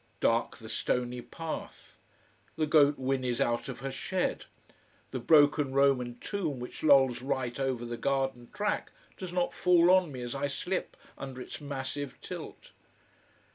Dark the stony path. The goat whinnies out of her shed. The broken Roman tomb which lolls right over the garden track does not fall on me as I slip under its massive tilt.